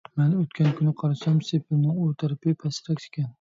مەن ئۆتكەن كۈنى قارىسام، سېپىلنىڭ ئۇ تەرىپى پەسرەك ئىكەن.